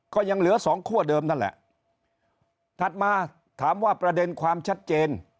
ก็ยังเหลือสองคั่วเดิมนั่นแหละถัดมาถามว่าประเด็นความชัดเจน